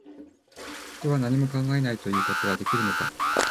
人は、何も考えないということはできるのか